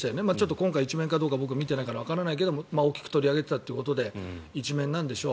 今回１面かどうか僕、見ていないからわからないけど大きく取り上げてたということで１面なんでしょう。